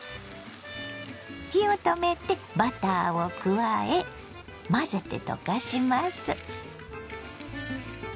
火を止めてバターを加え混ぜて溶かします。